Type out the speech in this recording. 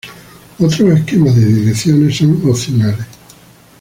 Otros esquemas de direcciones son opcionales.